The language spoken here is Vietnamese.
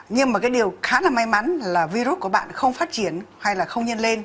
nhưng điều khá may mắn là virus của bạn không phát triển hay không nhân lên